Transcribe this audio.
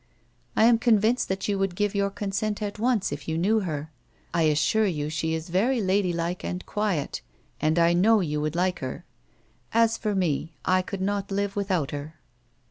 I am convinced that you would give your consent at once, if you knew her ; I assure you she is very lady like and quiet, and I know you would like her. As for me, I could not live without her.